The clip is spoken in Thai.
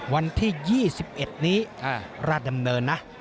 วันที่๒๑นี้ราชดำเนินนะ